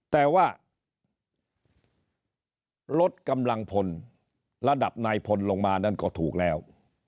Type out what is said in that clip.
แต่ว่าลดกำลังพลระดับนายพลลงมานั่นก็ถูกแล้ว